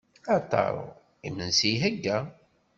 A Taro, imensi iheyya.